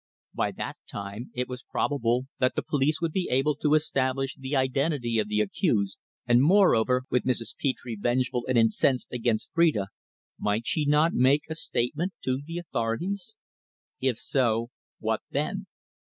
By that time it was probable that the police would be able to establish the identity of the accused, and, moreover, with Mrs. Petre vengeful and incensed against Phrida, might she not make a statement to the authorities? If so, what then?